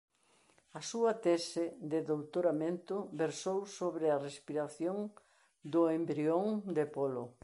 A súa tese de doutoramento versou sobre a respiración do embrión de polo.